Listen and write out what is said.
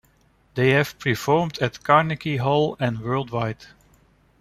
They have performed at Carnegie Hall, and worldwide.